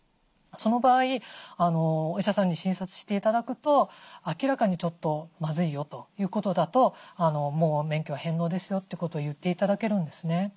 その場合お医者さんに診察して頂くと明らかにちょっとまずいよということだともう免許は返納ですよってことを言って頂けるんですね。